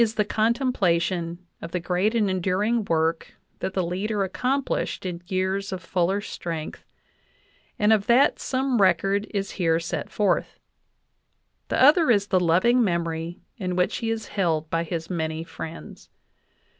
the contemplation of the great and enduring work that the leader accomplished in years of fuller strength, and of that some record is here set forth; the other is the loving memory in which he is held by his many friends.